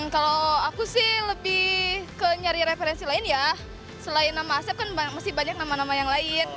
kalau aku sih lebih ke nyari referensi lain ya selain nama asep kan masih banyak nama nama yang lain